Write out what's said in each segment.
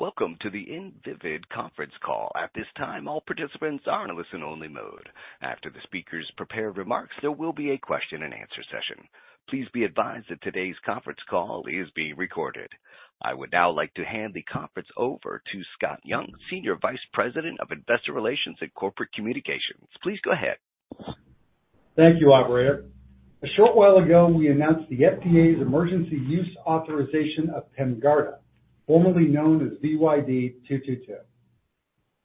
Welcome to the Invivyd conference call. At this time, all participants are in a listen-only mode. After the speakers prepare remarks, there will be a question-and-answer session. Please be advised that today's conference call is being recorded. I would now like to hand the conference over to Scott Young, Senior Vice President of Investor Relations and Corporate Communications. Please go ahead. Thank you, Operator. A short while ago, we announced the FDA's emergency use authorization of PEMGARDA, formerly known as VYD-222.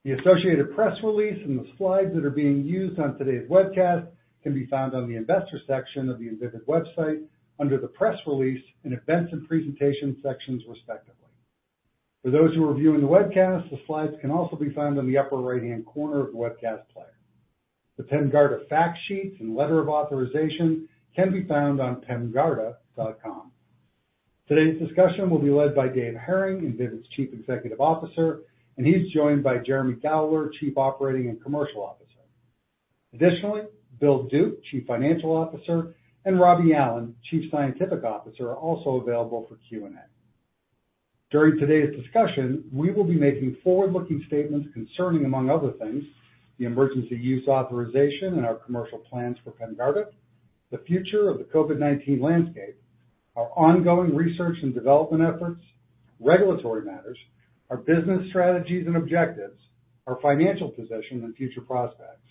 The associated press release and the slides that are being used on today's webcast can be found on the Investor section of the Invivyd website under the Press Release and Events and Presentation sections, respectively. For those who are viewing the webcast, the slides can also be found in the upper right-hand corner of the webcast player. The PEMGARDA fact sheets and letter of authorization can be found on PEMGARDA.com. Today's discussion will be led by Dave Hering, Invivyd's Chief Executive Officer, and he's joined by Jeremy Gowler, Chief Operating and Commercial Officer. Additionally, Bill Duke, Chief Financial Officer, and Robbie Allen, Chief Scientific Officer, are also available for Q&A. During today's discussion, we will be making forward-looking statements concerning, among other things, the emergency use authorization and our commercial plans for PEMGARDA, the future of the COVID-19 landscape, our ongoing research and development efforts, regulatory matters, our business strategies and objectives, our financial position and future prospects,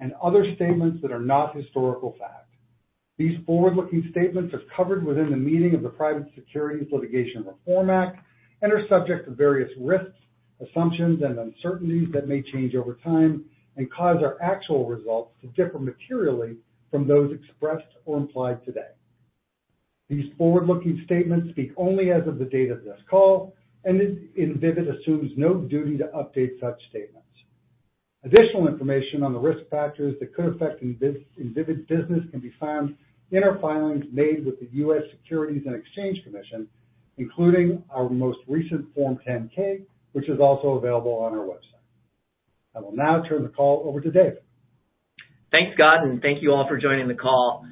and other statements that are not historical fact. These forward-looking statements are covered within the meaning of the Private Securities Litigation Reform Act and are subject to various risks, assumptions, and uncertainties that may change over time and cause our actual results to differ materially from those expressed or implied today. These forward-looking statements speak only as of the date of this call, and Invivyd assumes no duty to update such statements. Additional information on the risk factors that could affect Invivyd's business can be found in our filings made with the U.S. Securities and Exchange Commission, including our most recent Form 10-K, which is also available on our website. I will now turn the call over to Dave. Thanks, Scott, and thank you all for joining the call.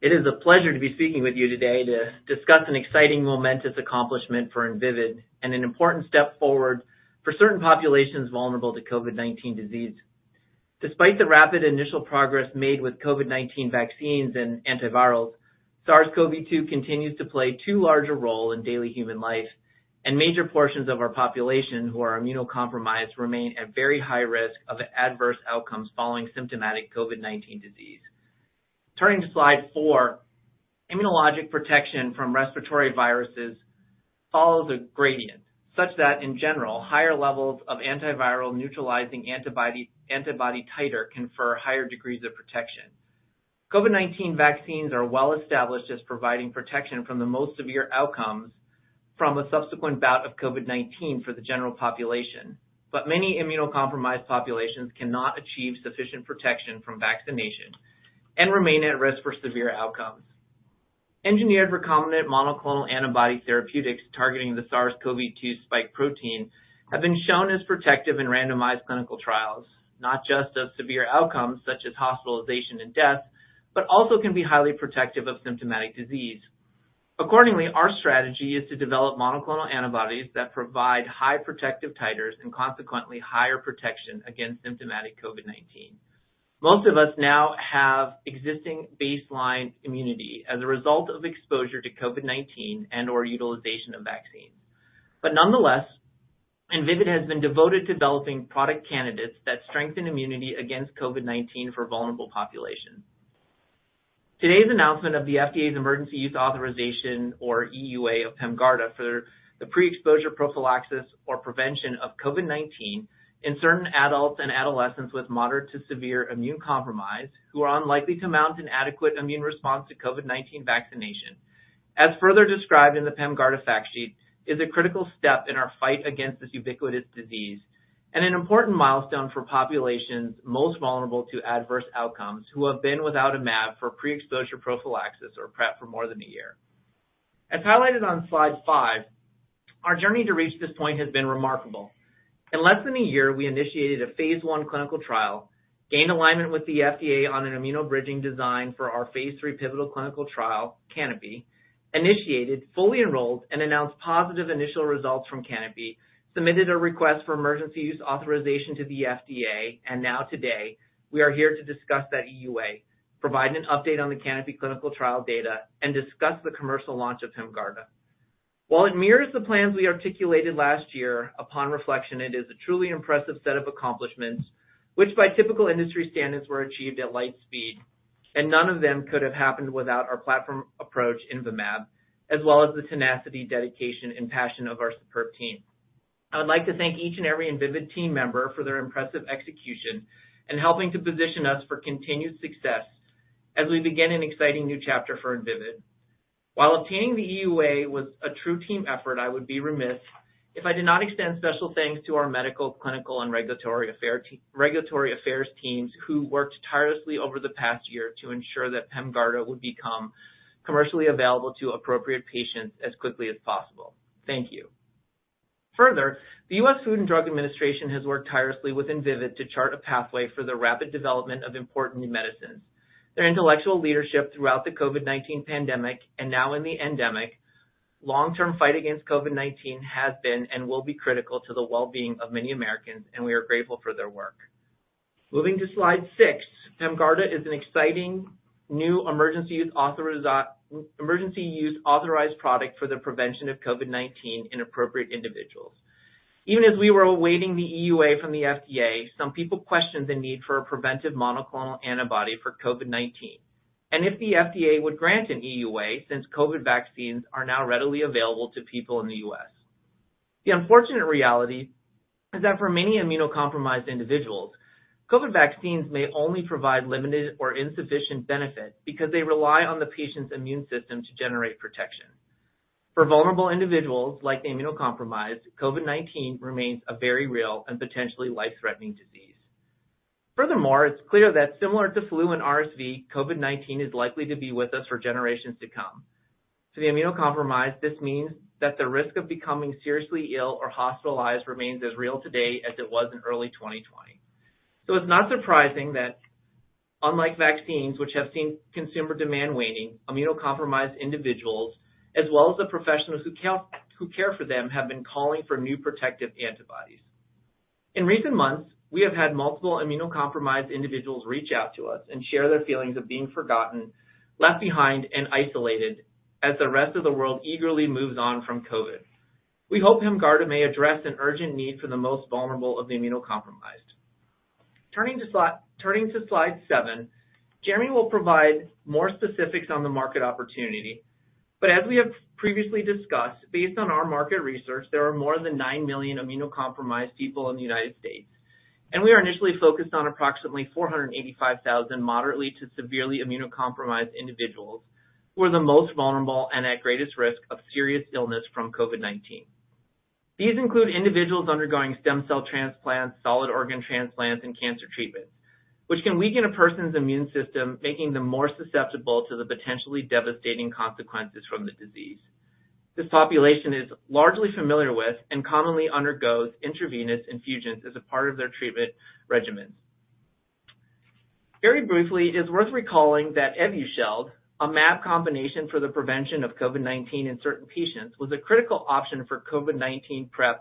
It is a pleasure to be speaking with you today to discuss an exciting momentous accomplishment for Invivyd and an important step forward for certain populations vulnerable to COVID-19 disease. Despite the rapid initial progress made with COVID-19 vaccines and antivirals, SARS-CoV-2 continues to play too large a role in daily human life, and major portions of our population who are immunocompromised remain at very high risk of adverse outcomes following symptomatic COVID-19 disease. Turning to slide 4, immunologic protection from respiratory viruses follows a gradient such that, in general, higher levels of antiviral neutralizing antibody titer confer higher degrees of protection. COVID-19 vaccines are well-established as providing protection from the most severe outcomes from a subsequent bout of COVID-19 for the general population, but many immunocompromised populations cannot achieve sufficient protection from vaccination and remain at risk for severe outcomes. Engineered recombinant monoclonal antibody therapeutics targeting the SARS-CoV-2 spike protein have been shown as protective in randomized clinical trials, not just of severe outcomes such as hospitalization and death, but also can be highly protective of symptomatic disease. Accordingly, our strategy is to develop monoclonal antibodies that provide high protective titers and consequently higher protection against symptomatic COVID-19. Most of us now have existing baseline immunity as a result of exposure to COVID-19 and/or utilization of vaccines, but nonetheless, Invivyd has been devoted developing product candidates that strengthen immunity against COVID-19 for vulnerable populations. Today's announcement of the FDA's emergency use authorization, or EUA, of PEMGARDA for the pre-exposure prophylaxis or prevention of COVID-19 in certain adults and adolescents with moderate to severe immune compromise who are unlikely to mount an adequate immune response to COVID-19 vaccination, as further described in the PEMGARDA fact sheet, is a critical step in our fight against this ubiquitous disease and an important milestone for populations most vulnerable to adverse outcomes who have been without a mAb for pre-exposure prophylaxis or PrEP for more than a year. As highlighted on slide five, our journey to reach this point has been remarkable. In less than a year, we initiated a phase I clinical trial, gained alignment with the FDA on an immunobridging design for our phase III pivotal clinical trial, CANOPY, initiated, fully enrolled, and announced positive initial results from CANOPY, submitted a request for emergency use authorization to the FDA, and now today we are here to discuss that EUA, provide an update on the CANOPY clinical trial data, and discuss the commercial launch of PEMGARDA. While it mirrors the plans we articulated last year, upon reflection, it is a truly impressive set of accomplishments which, by typical industry standards, were achieved at light speed, and none of them could have happened without our platform approach in the mAb, as well as the tenacity, dedication, and passion of our superb team. I would like to thank each and every Invivyd team member for their impressive execution and helping to position us for continued success as we begin an exciting new chapter for Invivyd. While obtaining the EUA was a true team effort, I would be remiss if I did not extend special thanks to our medical, clinical, and regulatory affairs teams who worked tirelessly over the past year to ensure that PEMGARDA would become commercially available to appropriate patients as quickly as possible. Thank you. Further, the U.S. Food and Drug Administration has worked tirelessly with Invivyd to chart a pathway for the rapid development of important new medicines. Their intellectual leadership throughout the COVID-19 pandemic and now in the endemic, long-term fight against COVID-19 has been and will be critical to the well-being of many Americans, and we are grateful for their work. Moving to slide 6, PEMGARDA is an exciting new emergency use authorized product for the prevention of COVID-19 in appropriate individuals. Even as we were awaiting the EUA from the FDA, some people questioned the need for a preventive monoclonal antibody for COVID-19 and if the FDA would grant an EUA since COVID vaccines are now readily available to people in the U.S. The unfortunate reality is that for many immunocompromised individuals, COVID vaccines may only provide limited or insufficient benefit because they rely on the patient's immune system to generate protection. For vulnerable individuals like the immunocompromised, COVID-19 remains a very real and potentially life-threatening disease. Furthermore, it's clear that, similar to flu and RSV, COVID-19 is likely to be with us for generations to come. For the immunocompromised, this means that the risk of becoming seriously ill or hospitalized remains as real today as it was in early 2020. So it's not surprising that, unlike vaccines which have seen consumer demand waning, immunocompromised individuals, as well as the professionals who care for them, have been calling for new protective antibodies. In recent months, we have had multiple immunocompromised individuals reach out to us and share their feelings of being forgotten, left behind, and isolated as the rest of the world eagerly moves on from COVID. We hope PEMGARDA may address an urgent need for the most vulnerable of the immunocompromised. Turning to slide 7, Jeremy will provide more specifics on the market opportunity, but as we have previously discussed, based on our market research, there are more than 9 million immunocompromised people in the United States, and we are initially focused on approximately 485,000 moderately to severely immunocompromised individuals who are the most vulnerable and at greatest risk of serious illness from COVID-19. These include individuals undergoing stem cell transplants, solid organ transplants, and cancer treatments, which can weaken a person's immune system, making them more susceptible to the potentially devastating consequences from the disease. This population is largely familiar with and commonly undergoes intravenous infusions as a part of their treatment regimens. Very briefly, it is worth recalling that Evusheld, a mAb combination for the prevention of COVID-19 in certain patients, was a critical option for COVID-19 PrEP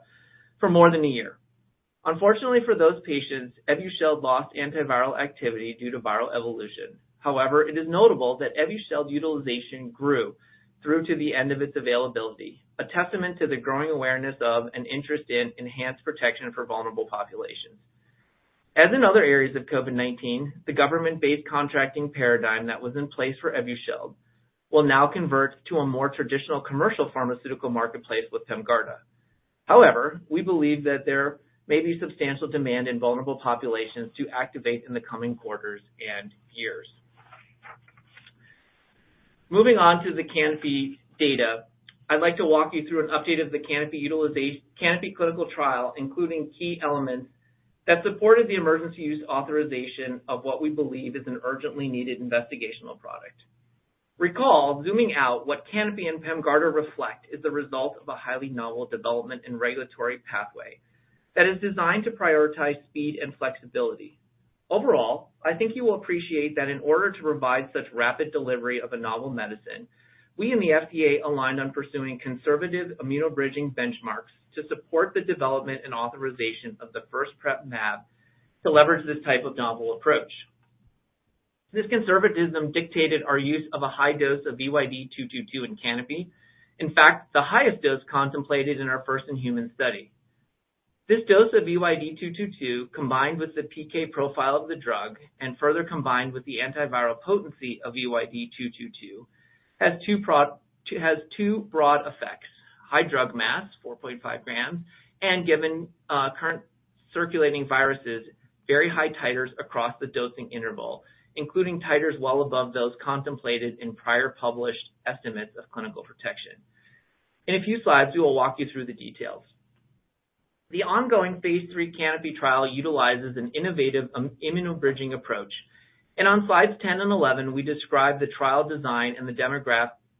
for more than a year. Unfortunately for those patients, Evusheld lost antiviral activity due to viral evolution. However, it is notable that Evusheld utilization grew through to the end of its availability, a testament to the growing awareness of and interest in enhanced protection for vulnerable populations. As in other areas of COVID-19, the government-based contracting paradigm that was in place for Evusheld will now convert to a more traditional commercial pharmaceutical marketplace with PEMGARDA. However, we believe that there may be substantial demand in vulnerable populations to activate in the coming quarters and years. Moving on to the CANOPY data, I'd like to walk you through an update of the CANOPY clinical trial, including key elements that supported the emergency use authorization of what we believe is an urgently needed investigational product. Recall, zooming out, what CANOPY and PEMGARDA reflect is the result of a highly novel development and regulatory pathway that is designed to prioritize speed and flexibility. Overall, I think you will appreciate that in order to provide such rapid delivery of a novel medicine, we and the FDA aligned on pursuing conservative immunobridging benchmarks to support the development and authorization of the first PrEP mAb to leverage this type of novel approach. This conservatism dictated our use of a high dose of VYD-222 in CANOPY, in fact, the highest dose contemplated in our first in-human study. This dose of VYD-222, combined with the PK profile of the drug and further combined with the antiviral potency of VYD-222, has two broad effects: high drug mass, 4.5 grams, and, given current circulating viruses, very high titers across the dosing interval, including titers well above those contemplated in prior published estimates of clinical protection. In a few slides, we will walk you through the details. The ongoing phase III CANOPY trial utilizes an innovative immunobridging approach, and on slides 10 and 11, we describe the trial design and the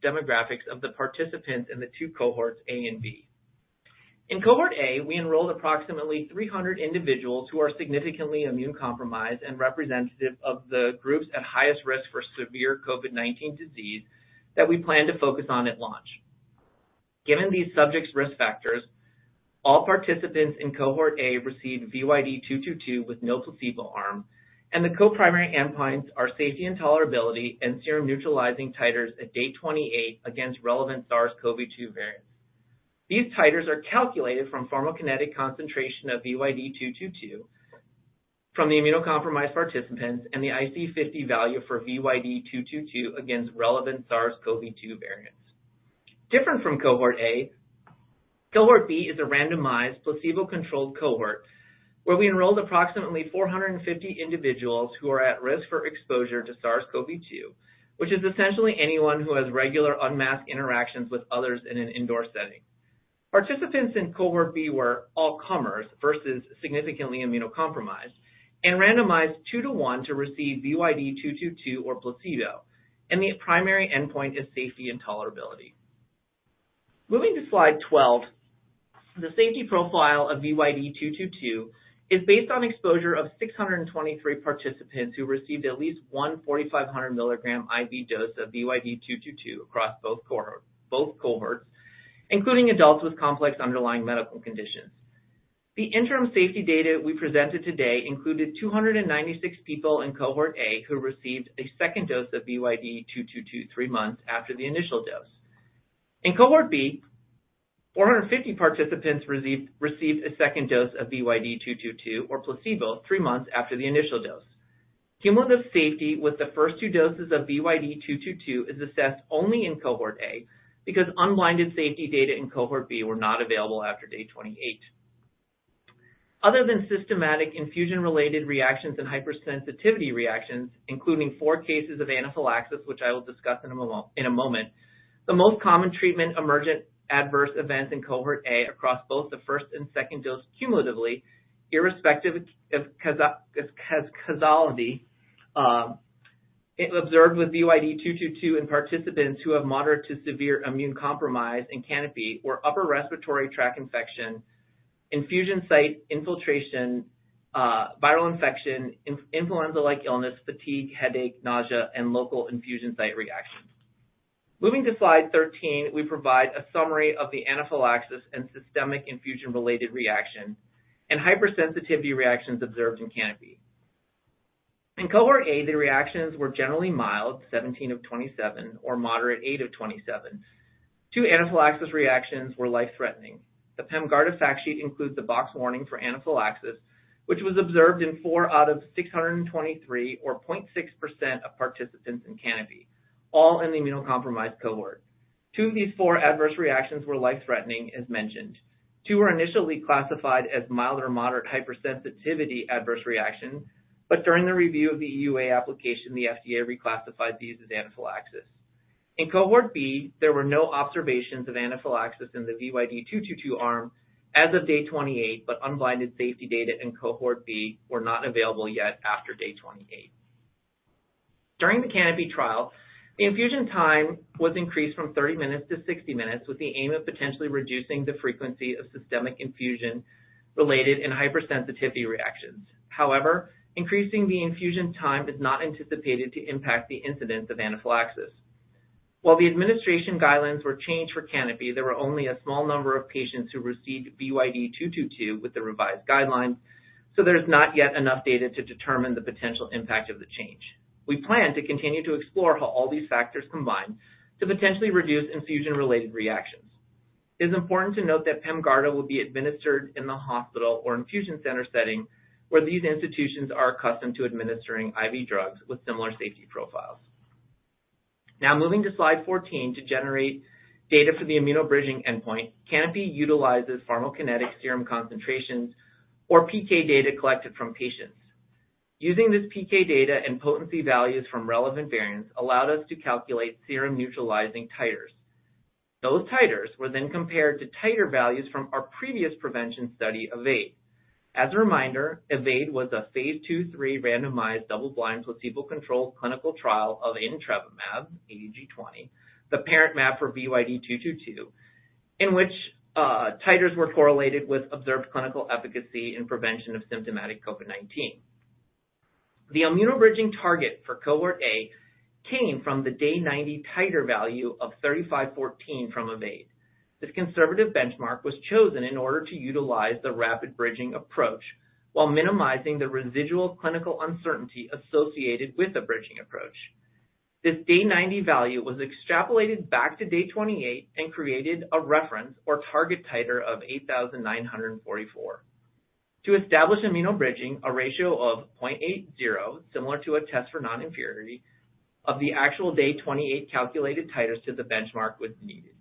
demographics of the participants in the two cohorts A and B. In cohort A, we enrolled approximately 300 individuals who are significantly immune compromised and representative of the groups at highest risk for severe COVID-19 disease that we plan to focus on at launch. Given these subjects' risk factors, all participants in cohort A received VYD-222 with no placebo arm, and the co-primary endpoints are safety and tolerability and serum neutralizing titers at Day 28 against relevant SARS-CoV-2 variants. These titers are calculated from pharmacokinetic concentration of VYD-222 from the immunocompromised participants and the IC50 value for VYD-222 against relevant SARS-CoV-2 variants. Different from cohort A, cohort B is a randomized, placebo-controlled cohort where we enrolled approximately 450 individuals who are at risk for exposure to SARS-CoV-2, which is essentially anyone who has regular unmasked interactions with others in an indoor setting. Participants in cohort B were all comers versus significantly immunocompromised and randomized 2-to-1 to receive VYD-222 or placebo, and the primary endpoint is safety and tolerability. Moving to slide 12, the safety profile of VYD-222 is based on exposure of 623 participants who received at least one 4,500-milligram IV dose of VYD-222 across both cohorts, including adults with complex underlying medical conditions. The interim safety data we presented today included 296 people in cohort A who received a second dose of VYD-222 three months after the initial dose. In cohort B, 450 participants received a second dose of VYD-222 or placebo three months after the initial dose. Cumulative safety with the first two doses of VYD-222 is assessed only in cohort A because unblinded safety data in cohort B were not available after Day 28. Other than systemic infusion-related reactions and hypersensitivity reactions, including 4 cases of anaphylaxis, which I will discuss in a moment, the most common treatment emergent adverse events in cohort A across both the first and second dose cumulatively, irrespective of causality, observed with VYD-222 in participants who have moderate to severe immune compromise in CANOPY were upper respiratory tract infection, infusion site infiltration, viral infection, influenza-like illness, fatigue, headache, nausea, and local infusion site reactions. Moving to slide 13, we provide a summary of the anaphylaxis and systemic infusion-related reaction and hypersensitivity reactions observed in CANOPY. In cohort A, the reactions were generally mild, 17 of 27, or moderate, 8 of 27. Two anaphylaxis reactions were life-threatening. The PEMGARDA fact sheet includes the boxed warning for anaphylaxis, which was observed in 4 out of 623, or 0.6%, of participants in CANOPY, all in the immunocompromised cohort. Two of these four adverse reactions were life-threatening, as mentioned. Two were initially classified as mild or moderate hypersensitivity adverse reactions, but during the review of the EUA application, the FDA reclassified these as anaphylaxis. In cohort B, there were no observations of anaphylaxis in the VYD-222 arm as of Day 28, but unblinded safety data in cohort B were not available yet after Day 28. During the CANOPY trial, the infusion time was increased from 30 minutes to 60 minutes with the aim of potentially reducing the frequency of systemic infusion-related and hypersensitivity reactions. However, increasing the infusion time is not anticipated to impact the incidence of anaphylaxis. While the administration guidelines were changed for CANOPY, there were only a small number of patients who received VYD-222 with the revised guidelines, so there is not yet enough data to determine the potential impact of the change. We plan to continue to explore how all these factors combine to potentially reduce infusion-related reactions. It is important to note that PEMGARDA will be administered in the hospital or infusion center setting where these institutions are accustomed to administering IV drugs with similar safety profiles. Now, moving to slide 14 to generate data for the immunobridging endpoint, CANOPY utilizes pharmacokinetic serum concentrations or PK data collected from patients. Using this PK data and potency values from relevant variants allowed us to calculate serum neutralizing titers. Those titers were then compared to titer values from our previous prevention study, EVADE. As a reminder, EVADE was a phase II/III randomized, double-blind, placebo-controlled clinical trial of adintrevimab, ADG20, the parent mAb for VYD-222, in which titers were correlated with observed clinical efficacy in prevention of symptomatic COVID-19. The immunobridging target for cohort A came from the day 90 titer value of 3514 from EVADE. This conservative benchmark was chosen in order to utilize the rapid bridging approach while minimizing the residual clinical uncertainty associated with a bridging approach. This day 90 value was extrapolated back to Day 28 and created a reference or target titer of 8,944. To establish immunobridging, a ratio of 0.80, similar to a test for non-inferiority, of the actual day 28 calculated titers to the benchmark was needed.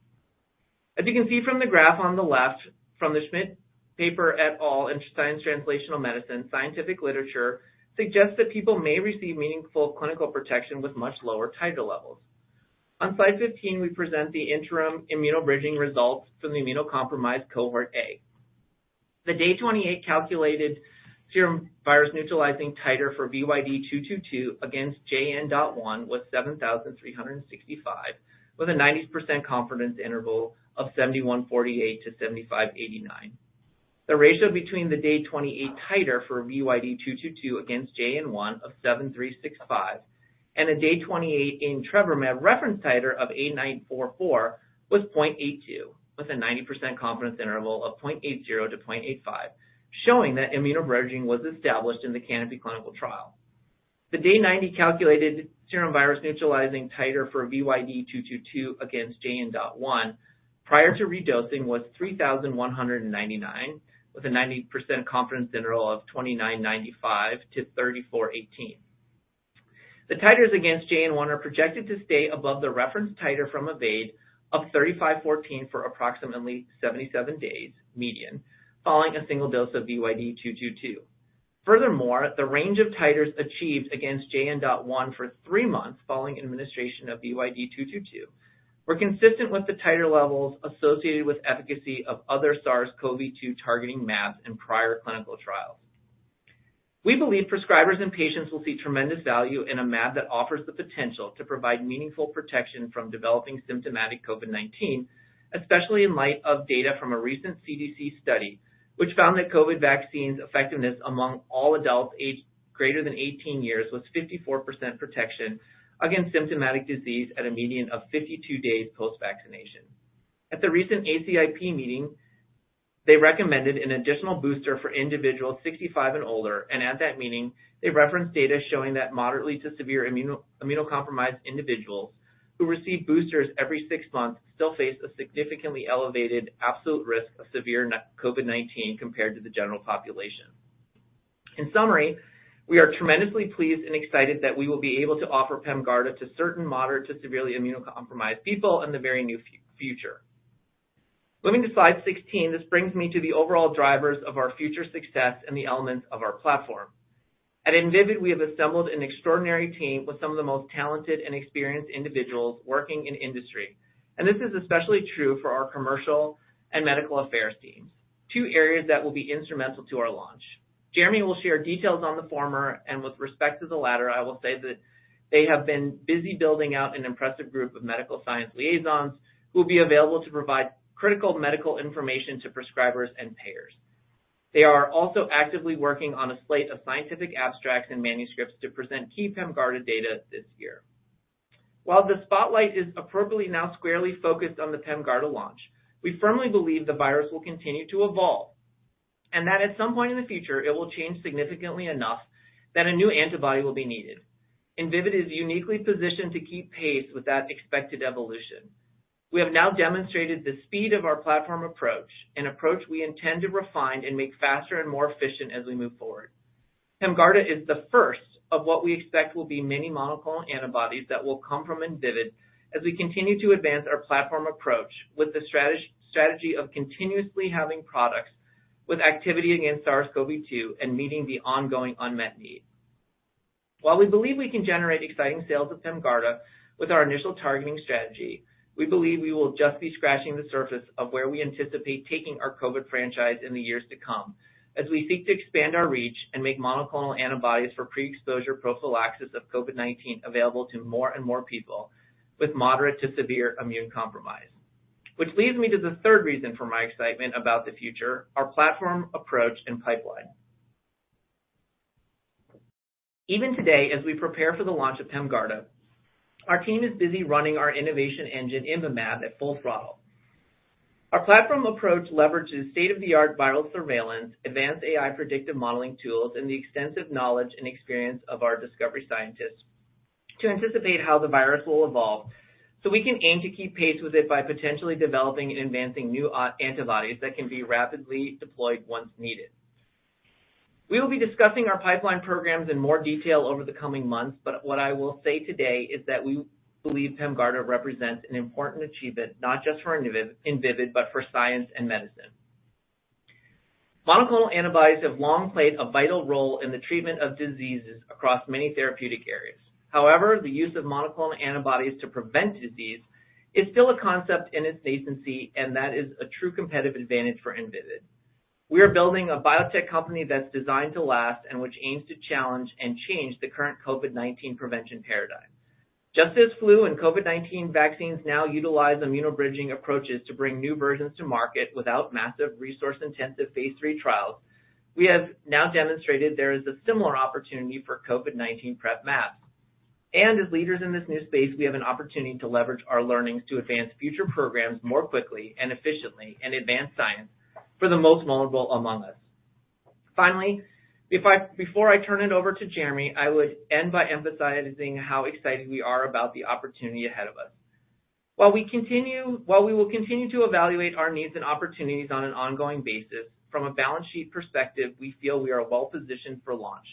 As you can see from the graph on the left from the Schmidt paper et al. in Science Translational Medicine, scientific literature suggests that people may receive meaningful clinical protection with much lower titer levels. On slide 15, we present the interim immunobridging results from the immunocompromised cohort A. The day 28 calculated serum virus neutralizing titer for VYD-222 against JN.1 was 7,365, with a 90% confidence interval of 7,148-7,589. The ratio between the day 28 titer for VYD-222 against JN.1 of 7,365 and the day 28 adintrevimab reference titer of 8,944 was 0.82, with a 90% confidence interval of 0.80-0.85, showing that immunobridging was established in the CANOPY clinical trial. The day 90 calculated serum virus neutralizing titer for VYD-222 against JN.1 prior to redosing was 3,199, with a 90% confidence interval of 2,995-3,418. The titers against JN.1 are projected to stay above the reference titer from EVADE of 3,514 for approximately 77 days, median, following a single dose of VYD-222. Furthermore, the range of titers achieved against JN.1 for three months following administration of VYD-222 were consistent with the tighter levels associated with efficacy of other SARS-CoV-2 targeting mAbs in prior clinical trials. We believe prescribers and patients will see tremendous value in a mAb that offers the potential to provide meaningful protection from developing symptomatic COVID-19, especially in light of data from a recent CDC study, which found that COVID vaccines' effectiveness among all adults aged greater than 18 years was 54% protection against symptomatic disease at a median of 52 days post-vaccination. At the recent ACIP meeting, they recommended an additional booster for individuals 65 and older, and at that meeting, they referenced data showing that moderately to severe immunocompromised individuals who receive boosters every six months still face a significantly elevated absolute risk of severe COVID-19 compared to the general population. In summary, we are tremendously pleased and excited that we will be able to offer PEMGARDA to certain moderate to severely immunocompromised people in the very near future. Moving to slide 16, this brings me to the overall drivers of our future success and the elements of our platform. At Invivyd, we have assembled an extraordinary team with some of the most talented and experienced individuals working in industry, and this is especially true for our commercial and medical affairs teams, two areas that will be instrumental to our launch. Jeremy will share details on the former, and with respect to the latter, I will say that they have been busy building out an impressive group of medical science liaisons who will be available to provide critical medical information to prescribers and payers. They are also actively working on a slate of scientific abstracts and manuscripts to present key PEMGARDA data this year. While the spotlight is appropriately now squarely focused on the PEMGARDA launch, we firmly believe the virus will continue to evolve, and that at some point in the future, it will change significantly enough that a new antibody will be needed. Invivyd is uniquely positioned to keep pace with that expected evolution. We have now demonstrated the speed of our platform approach, an approach we intend to refine and make faster and more efficient as we move forward. PEMGARDA is the first of what we expect will be many monoclonal antibodies that will come from Invivyd as we continue to advance our platform approach with the strategy of continuously having products with activity against SARS-CoV-2 and meeting the ongoing unmet need. While we believe we can generate exciting sales of PEMGARDA with our initial targeting strategy, we believe we will just be scratching the surface of where we anticipate taking our COVID franchise in the years to come as we seek to expand our reach and make monoclonal antibodies for pre-exposure prophylaxis of COVID-19 available to more and more people with moderate to severe immune compromise. Which leads me to the third reason for my excitement about the future: our platform approach and pipeline. Even today, as we prepare for the launch of PEMGARDA, our team is busy running our innovation engine, INVYMAB, at full throttle. Our platform approach leverages state-of-the-art viral surveillance, advanced AI predictive modeling tools, and the extensive knowledge and experience of our discovery scientists to anticipate how the virus will evolve so we can aim to keep pace with it by potentially developing and advancing new antibodies that can be rapidly deployed once needed. We will be discussing our pipeline programs in more detail over the coming months, but what I will say today is that we believe PEMGARDA represents an important achievement not just for Invivyd but for science and medicine. Monoclonal antibodies have long played a vital role in the treatment of diseases across many therapeutic areas. However, the use of monoclonal antibodies to prevent disease is still a concept in its nasency, and that is a true competitive advantage for Invivyd. We are building a biotech company that's designed to last and which aims to challenge and change the current COVID-19 prevention paradigm. Just as flu and COVID-19 vaccines now utilize immunobridging approaches to bring new versions to market without massive resource-intensive phase 3 trials, we have now demonstrated there is a similar opportunity for COVID-19 PrEP mAbs. As leaders in this new space, we have an opportunity to leverage our learnings to advance future programs more quickly and efficiently and advance science for the most vulnerable among us. Finally, before I turn it over to Jeremy, I would end by emphasizing how excited we are about the opportunity ahead of us. While we will continue to evaluate our needs and opportunities on an ongoing basis, from a balance sheet perspective, we feel we are well-positioned for launch.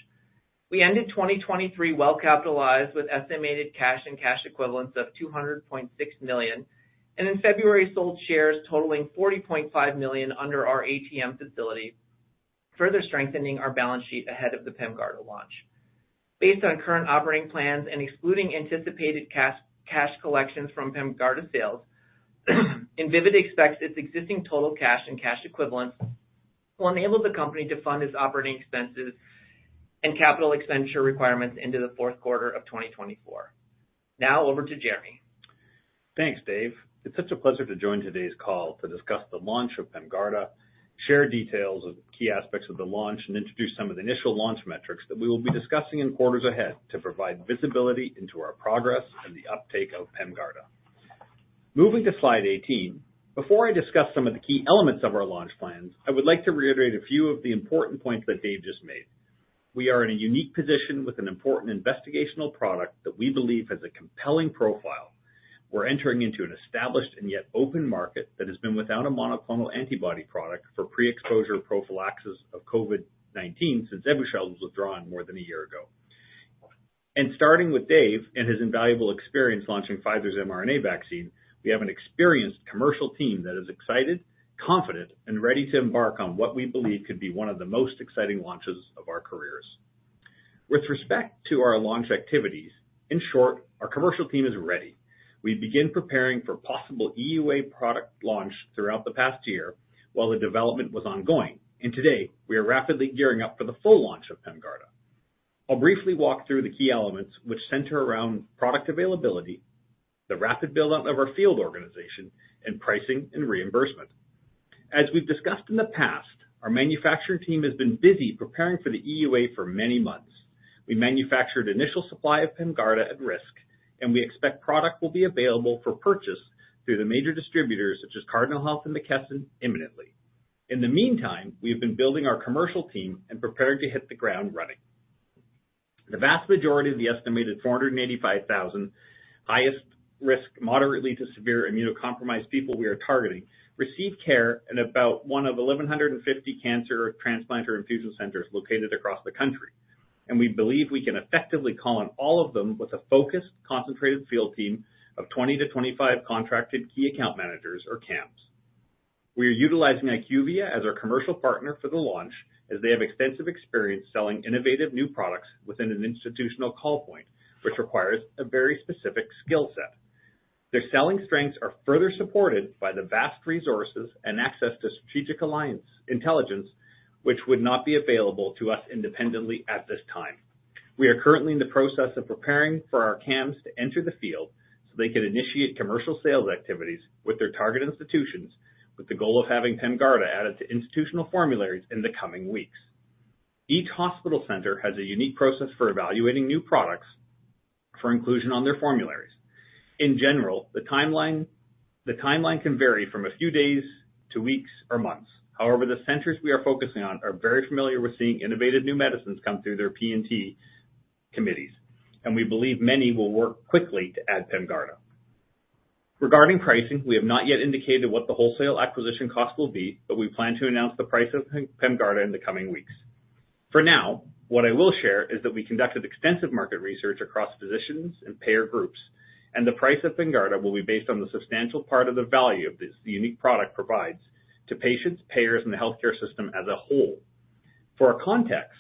We ended 2023 well-capitalized with estimated cash and cash equivalents of $200.6 million, and in February, sold shares totaling $40.5 million under our ATM facility, further strengthening our balance sheet ahead of the PEMGARDA launch. Based on current operating plans and excluding anticipated cash collections from PEMGARDA sales, Invivyd expects its existing total cash and cash equivalents will enable the company to fund its operating expenses and capital expenditure requirements into the fourth quarter of 2024. Now, over to Jeremy. Thanks, Dave. It's such a pleasure to join today's call to discuss the launch of PEMGARDA, share details of key aspects of the launch, and introduce some of the initial launch metrics that we will be discussing in quarters ahead to provide visibility into our progress and the uptake of PEMGARDA. Moving to slide 18, before I discuss some of the key elements of our launch plans, I would like to reiterate a few of the important points that Dave just made. We are in a unique position with an important investigational product that we believe has a compelling profile. We're entering into an established and yet open market that has been without a monoclonal antibody product for pre-exposure prophylaxis of COVID-19 since Evusheld was withdrawn more than a year ago. Starting with Dave and his invaluable experience launching Pfizer's mRNA vaccine, we have an experienced commercial team that is excited, confident, and ready to embark on what we believe could be one of the most exciting launches of our careers. With respect to our launch activities, in short, our commercial team is ready. We began preparing for possible EUA product launch throughout the past year while the development was ongoing, and today, we are rapidly gearing up for the full launch of PEMGARDA. I'll briefly walk through the key elements which center around product availability, the rapid buildup of our field organization, and pricing and reimbursement. As we've discussed in the past, our manufacturing team has been busy preparing for the EUA for many months. We manufactured initial supply of PEMGARDA at risk, and we expect product will be available for purchase through the major distributors such as Cardinal Health and McKesson imminently. In the meantime, we have been building our commercial team and preparing to hit the ground running. The vast majority of the estimated 485,000 highest-risk moderately to severe immunocompromised people we are targeting receive care in about 1,150 cancer or transplant or infusion centers located across the country, and we believe we can effectively call on all of them with a focused, concentrated field team of 20-25 contracted key account managers or KAMs. We are utilizing IQVIA as our commercial partner for the launch as they have extensive experience selling innovative new products within an institutional call point, which requires a very specific skill set. Their selling strengths are further supported by the vast resources and access to strategic intelligence which would not be available to us independently at this time. We are currently in the process of preparing for our KAMs to enter the field so they can initiate commercial sales activities with their target institutions with the goal of having PEMGARDA added to institutional formularies in the coming weeks. Each hospital center has a unique process for evaluating new products for inclusion on their formularies. In general, the timeline can vary from a few days to weeks or months. However, the centers we are focusing on are very familiar with seeing innovative new medicines come through their P&T committees, and we believe many will work quickly to add PEMGARDA. Regarding pricing, we have not yet indicated what the wholesale acquisition cost will be, but we plan to announce the price of PEMGARDA in the coming weeks. For now, what I will share is that we conducted extensive market research across physicians and payer groups, and the price of PEMGARDA will be based on the substantial part of the value that the unique product provides to patients, payers, and the healthcare system as a whole. For context,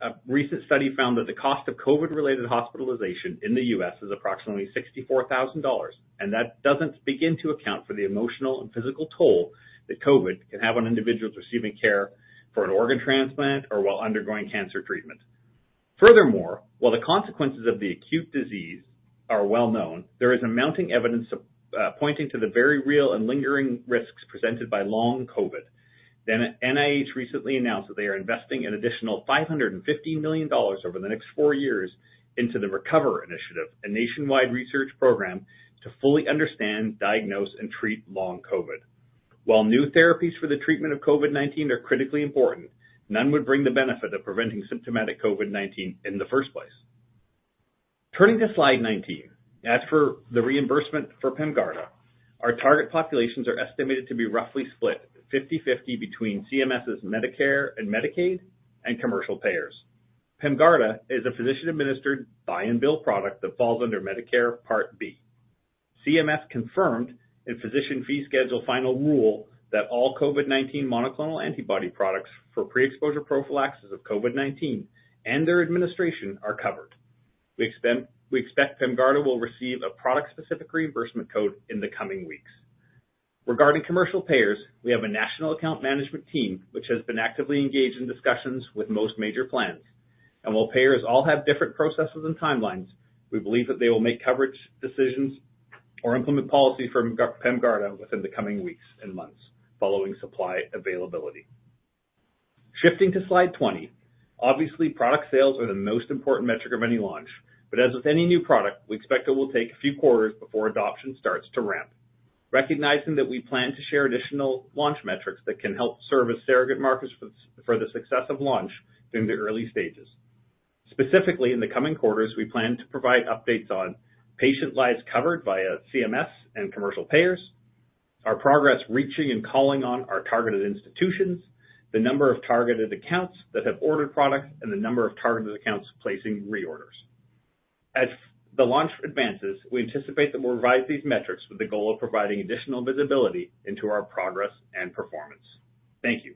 a recent study found that the cost of COVID-related hospitalization in the U.S. is approximately $64,000, and that doesn't begin to account for the emotional and physical toll that COVID can have on individuals receiving care for an organ transplant or while undergoing cancer treatment. Furthermore, while the consequences of the acute disease are well-known, there is mounting evidence pointing to the very real and lingering risks presented by long COVID. The NIH recently announced that they are investing an additional $550 million over the next four years into the RECOVER initiative, a nationwide research program to fully understand, diagnose, and treat long COVID. While new therapies for the treatment of COVID-19 are critically important, none would bring the benefit of preventing symptomatic COVID-19 in the first place. Turning to slide 19, as for the reimbursement for PEMGARDA, our target populations are estimated to be roughly split 50/50 between CMS's Medicare and Medicaid and commercial payers. PEMGARDA is a physician-administered buy-and-bill product that falls under Medicare Part B. CMS confirmed in Physician Fee Schedule Final Rule that all COVID-19 monoclonal antibody products for pre-exposure prophylaxis of COVID-19 and their administration are covered. We expect PEMGARDA will receive a product-specific reimbursement code in the coming weeks. Regarding commercial payers, we have a national account management team which has been actively engaged in discussions with most major plans, and while payers all have different processes and timelines, we believe that they will make coverage decisions or implement policies for PEMGARDA within the coming weeks and months following supply availability. Shifting to slide 20, obviously, product sales are the most important metric of any launch, but as with any new product, we expect it will take a few quarters before adoption starts to ramp, recognizing that we plan to share additional launch metrics that can help serve as surrogate markers for the success of launch during the early stages. Specifically, in the coming quarters, we plan to provide updates on patient lives covered via CMS and commercial payers, our progress reaching and calling on our targeted institutions, the number of targeted accounts that have ordered products, and the number of targeted accounts placing reorders. As the launch advances, we anticipate that we'll revise these metrics with the goal of providing additional visibility into our progress and performance. Thank you.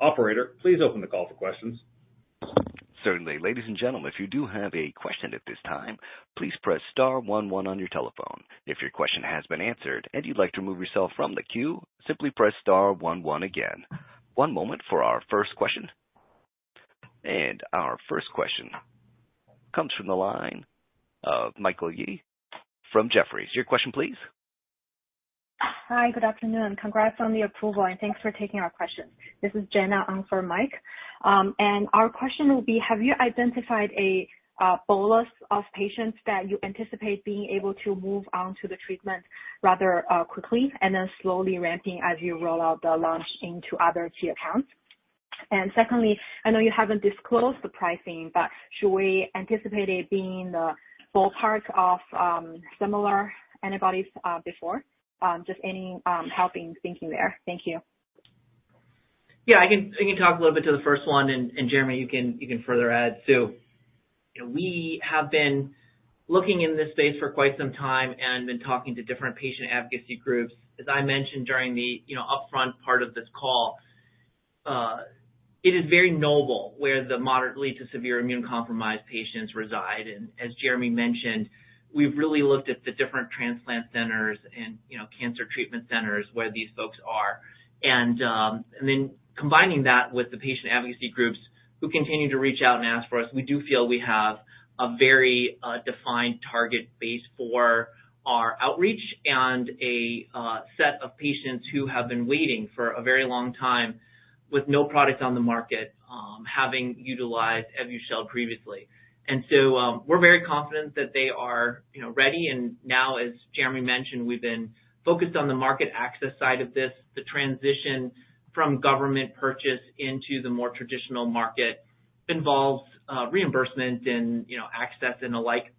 Operator, please open the call for questions. Certainly. Ladies and gentlemen, if you do have a question at this time, please press star 11 on your telephone. If your question has been answered and you'd like to remove yourself from the queue, simply press star 11 again. One moment for our first question. Our first question comes from the line of Michael Yee from Jefferies. Your question, please. Hi. Good afternoon. Congrats on the approval, and thanks for taking our questions. This is Joanna Wang for Mike. Our question will be, have you identified a bolus of patients that you anticipate being able to move onto the treatment rather quickly and then slowly ramping as you roll out the launch into other key accounts? And secondly, I know you haven't disclosed the pricing, but should we anticipate it being the ballpark of similar antibodies before? Just any helpful thinking there. Thank you. Yeah. I can talk a little bit to the first one, and Jeremy, you can further add. So we have been looking in this space for quite some time and been talking to different patient advocacy groups. As I mentioned during the upfront part of this call, it is very notable where the moderately to severe immune compromised patients reside. And as Jeremy mentioned, we've really looked at the different transplant centers and cancer treatment centers where these folks are. And then combining that with the patient advocacy groups who continue to reach out and ask for us, we do feel we have a very defined target base for our outreach and a set of patients who have been waiting for a very long time with no product on the market having utilized Evusheld previously. And so we're very confident that they are ready. And now, as Jeremy mentioned, we've been focused on the market access side of this. The transition from government purchase into the more traditional market involves reimbursement and access and the like,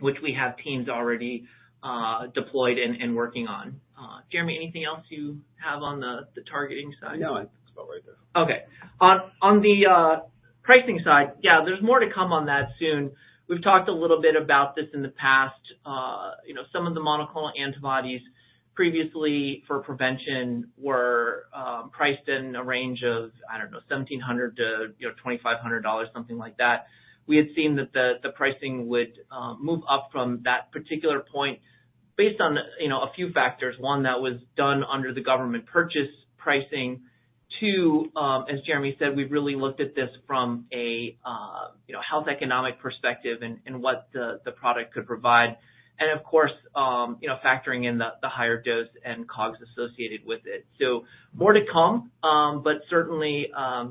which we have teams already deployed and working on. Jeremy, anything else you have on the targeting side? No, I think it's about right there. Okay. On the pricing side, yeah, there's more to come on that soon. We've talked a little bit about this in the past. Some of the monoclonal antibodies previously for prevention were priced in a range of, I don't know, $1,700-$2,500, something like that. We had seen that the pricing would move up from that particular point based on a few factors. One, that was done under the government purchase pricing. Two, as Jeremy said, we've really looked at this from a health economic perspective and what the product could provide, and of course, factoring in the higher dose and COGS associated with it. So more to come, but certainly, a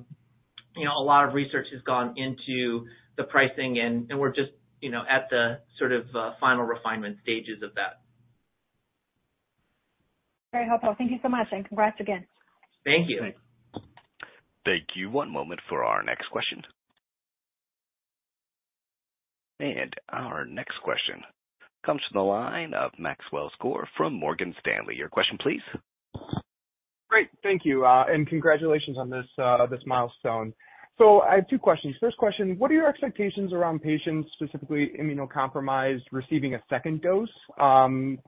lot of research has gone into the pricing, and we're just at the sort of final refinement stages of that. Very helpful. Thank you so much, and congrats again. Thank you. Thank you. One moment for our next question. Our next question comes from the line of Maxwell Skor from Morgan Stanley. Your question, please. Great. Thank you. And congratulations on this milestone. So I have two questions. First question, what are your expectations around patients, specifically immunocompromised, receiving a second dose,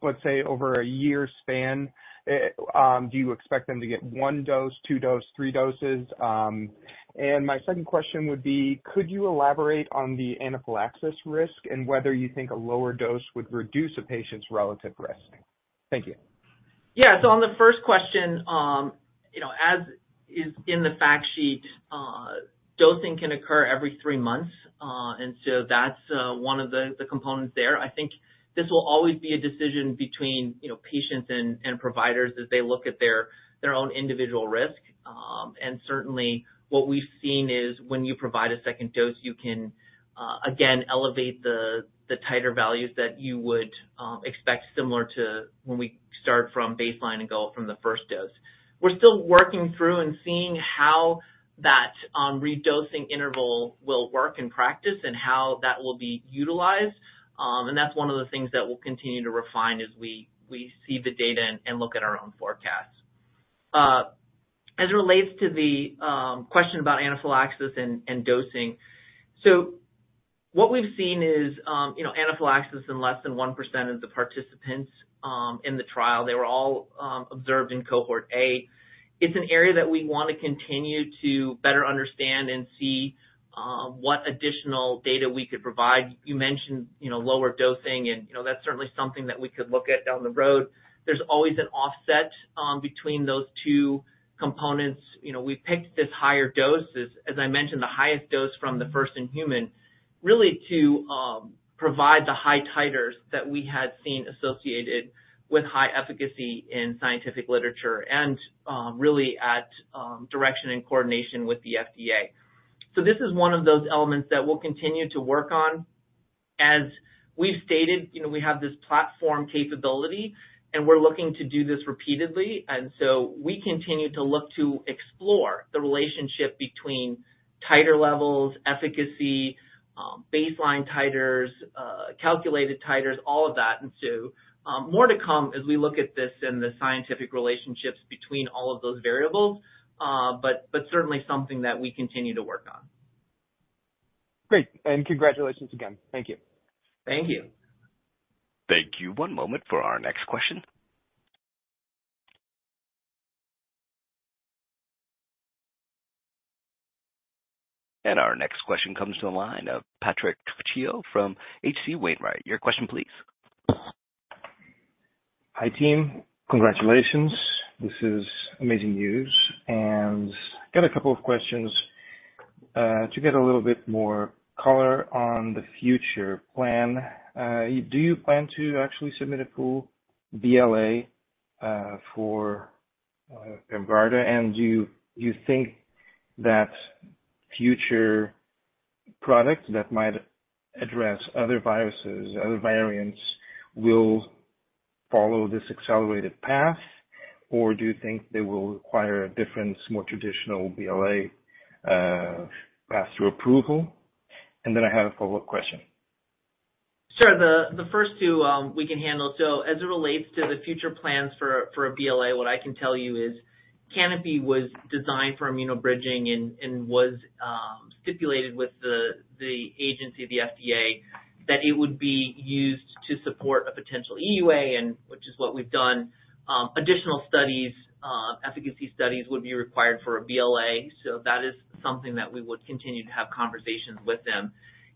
let's say, over a year span? Do you expect them to get one dose, two doses, three doses? And my second question would be, could you elaborate on the anaphylaxis risk and whether you think a lower dose would reduce a patient's relative risk? Thank you. Yeah. So on the first question, as is in the fact sheet, dosing can occur every three months, and so that's one of the components there. I think this will always be a decision between patients and providers as they look at their own individual risk. And certainly, what we've seen is when you provide a second dose, you can, again, elevate the titer values that you would expect similar to when we start from baseline and go from the first dose. We're still working through and seeing how that redosing interval will work in practice and how that will be utilized. And that's one of the things that we'll continue to refine as we see the data and look at our own forecasts. As it relates to the question about anaphylaxis and dosing, so what we've seen is anaphylaxis in less than 1% of the participants in the trial. They were all observed in cohort A. It's an area that we want to continue to better understand and see what additional data we could provide. You mentioned lower dosing, and that's certainly something that we could look at down the road. There's always an offset between those two components. We picked this higher dose, as I mentioned, the highest dose from the first-in-human, really to provide the high titers that we had seen associated with high efficacy in scientific literature and really at direction and coordination with the FDA. So this is one of those elements that we'll continue to work on. As we've stated, we have this platform capability, and we're looking to do this repeatedly. And so we continue to look to explore the relationship between titer levels, efficacy, baseline titers, calculated titers, all of that ensues. More to come as we look at this and the scientific relationships between all of those variables, but certainly something that we continue to work on. Great. Congratulations again. Thank you. Thank you. Thank you. One moment for our next question. Our next question comes to the line of Patrick Trucchio from H.C. Wainwright. Your question, please. Hi, team. Congratulations. This is amazing news. And I got a couple of questions to get a little bit more color on the future plan. Do you plan to actually submit a full BLA for PEMGARDA, and do you think that future products that might address other viruses, other variants, will follow this accelerated path, or do you think they will require a different, more traditional BLA path through approval? And then I have a follow-up question. Sure. The first two, we can handle. So as it relates to the future plans for a BLA, what I can tell you is CANOPY was designed for immunobridging and was stipulated with the agency, the FDA, that it would be used to support a potential EUA, which is what we've done. Additional studies, efficacy studies, would be required for a BLA, so that is something that we would continue to have conversations with them.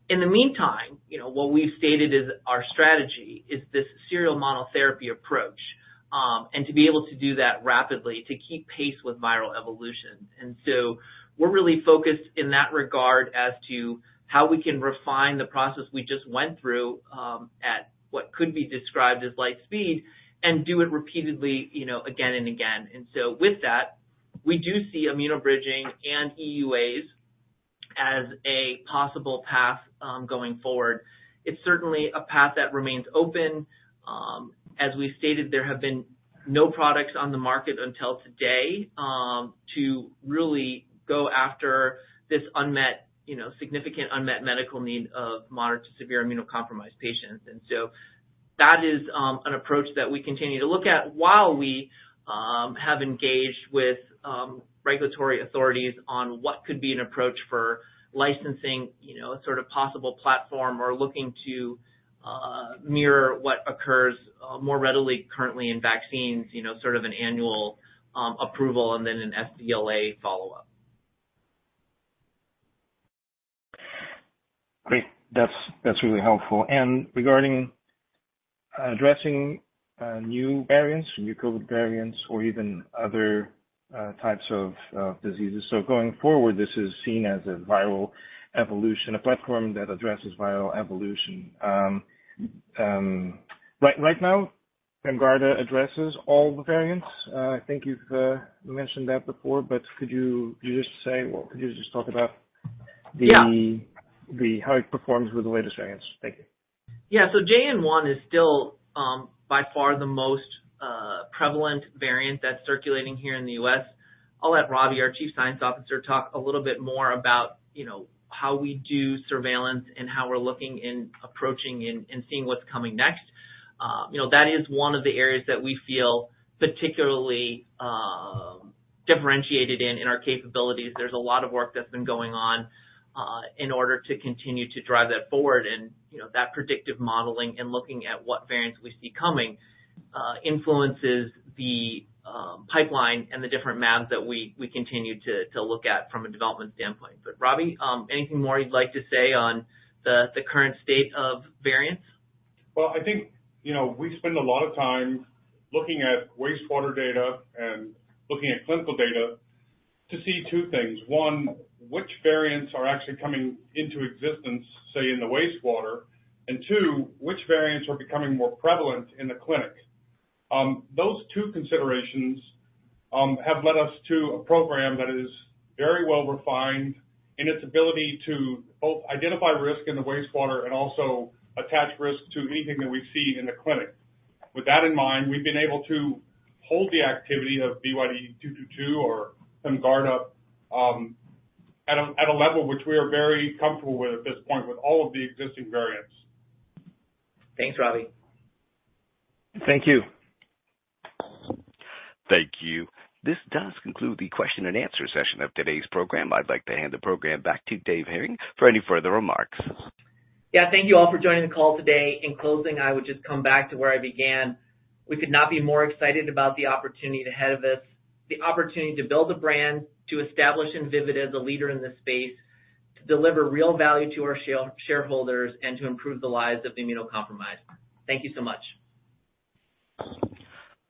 In the meantime, what we've stated is our strategy is this serial monotherapy approach and to be able to do that rapidly to keep pace with viral evolution. And so we're really focused in that regard as to how we can refine the process we just went through at what could be described as light speed and do it repeatedly again and again. And so with that, we do see Immunobridging and EUAs as a possible path going forward. It's certainly a path that remains open. As we stated, there have been no products on the market until today to really go after this significant unmet medical need of moderate to severe immunocompromised patients. And so that is an approach that we continue to look at while we have engaged with regulatory authorities on what could be an approach for licensing a sort of possible platform or looking to mirror what occurs more readily currently in vaccines, sort of an annual approval and then an SBLA follow-up. Great. That's really helpful. And regarding addressing new variants, new COVID variants, or even other types of diseases, so going forward, this is seen as a platform that addresses viral evolution. Right now, PEMGARDA addresses all the variants. I think you've mentioned that before, but could you just say well, could you just talk about how it performs with the latest variants? Thank you. Yeah. So JN.1 is still by far the most prevalent variant that's circulating here in the U.S. I'll let Robbie, our Chief Scientific Officer, talk a little bit more about how we do surveillance and how we're looking and approaching and seeing what's coming next. That is one of the areas that we feel particularly differentiated in, in our capabilities. There's a lot of work that's been going on in order to continue to drive that forward. And that predictive modeling and looking at what variants we see coming influences the pipeline and the different mAbs that we continue to look at from a development standpoint. But Robbie, anything more you'd like to say on the current state of variants? Well, I think we spend a lot of time looking at wastewater data and looking at clinical data to see two things. One, which variants are actually coming into existence, say, in the wastewater? And two, which variants are becoming more prevalent in the clinic? Those two considerations have led us to a program that is very well refined in its ability to both identify risk in the wastewater and also attach risk to anything that we see in the clinic. With that in mind, we've been able to hold the activity of VYD-222 or PEMGARDA at a level which we are very comfortable with at this point with all of the existing variants. Thanks, Robbie. Thank you. Thank you. This does conclude the question-and-answer session of today's program. I'd like to hand the program back to Dave Hering for any further remarks. Yeah. Thank you all for joining the call today. In closing, I would just come back to where I began. We could not be more excited about the opportunity ahead of us, the opportunity to build a brand, to establish Invivyd as a leader in this space, to deliver real value to our shareholders, and to improve the lives of the immunocompromised. Thank you so much.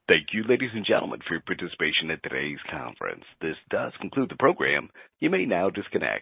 Thank you, ladies and gentlemen, for your participation at today's conference. This does conclude the program. You may now disconnect.